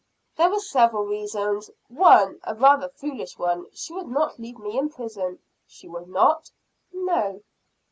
"There were several reasons one, a rather foolish one, she would not leave me in prison." "She would not?" "No."